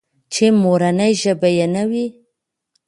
چې مورنۍ ژبه يې نه وي.